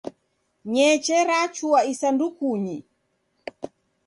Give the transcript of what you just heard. Ny'eche rachua isandukunyi.